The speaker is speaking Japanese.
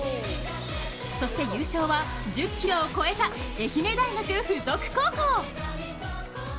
そして優勝は、１０ｋｇを超えた愛媛大学附属高校。